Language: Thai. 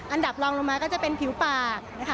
อันดับรองลงมาก็จะเป็นผิวปากนะคะ